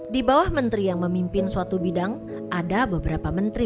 di bawah menteri yang memimpin suatu bidang ada beberapa menteri